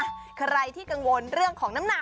ใครที่กังวลเรื่องของน้ำหนัก